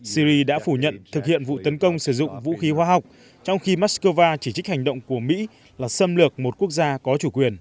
syri đã phủ nhận thực hiện vụ tấn công sử dụng vũ khí hóa học trong khi moscow chỉ trích hành động của mỹ là xâm lược một quốc gia có chủ quyền